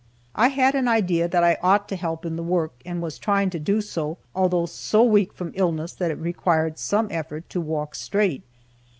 I had an idea that I ought to help in the work, and was trying to do so, altho so weak from illness that it required some effort to walk straight.